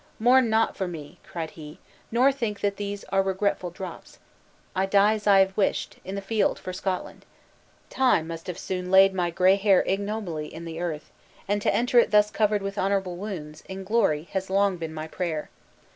"Mourn not for me," cried he, "nor think that these are regretful drops. I die as I have wished, in the field for Scotland. Time must have soon laid my gray hair ignobly in the grave; and to enter it thus covered with honorable wounds, in glory, has long been my prayer.